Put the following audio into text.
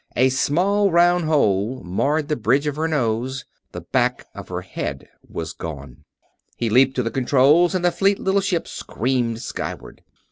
A small, round hole marred the bridge of her nose: the back of her head was gone. He leaped to the controls and the fleet little ship screamed skyward.